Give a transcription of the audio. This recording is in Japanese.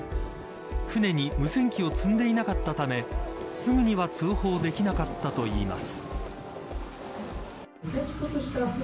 舟に無線機を積んでいなかったためすぐには通報できなかったといいます。